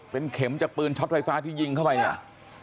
เป็นเข็มจากปืนช็อตไฟฟ้าที่ยิงเข้าไปเนี่ย